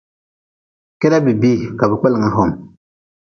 Keda bi bii ka bi kpelnga hom.